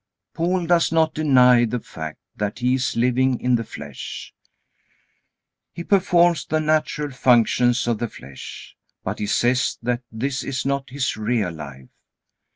Paul does not deny the fact that he is living in the flesh. He performs the natural functions of the flesh. But he says that this is not his real life.